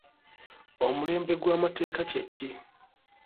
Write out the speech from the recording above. Omulembe gw'amateeka kye ki?